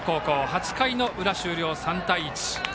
８回の裏終了、３対１。